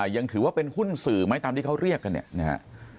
ยังถือว่าเป็นหุ้นสื่อไหมตามที่เขาเรียกกันเนี่ยนะฮะ